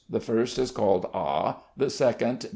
The first is called A, the second B...."